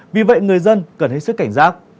vì vậy người dân cần hết sức cảnh giác